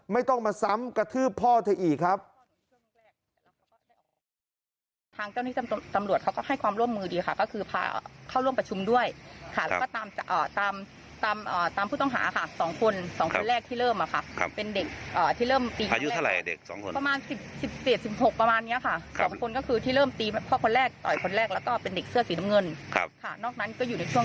ไม่ต้องมาซ้ำกระทืบพ่อเธออีกครับ